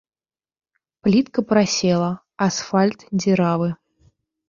Плітка прасела, асфальт дзіравы.